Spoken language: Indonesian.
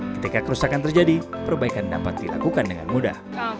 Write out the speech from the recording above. ketika kerusakan terjadi perbaikan dapat dilakukan dengan mudah